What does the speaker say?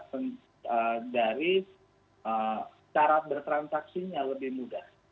terus yang kedua keuntungannya adalah dari cara bertransaksinya lebih mudah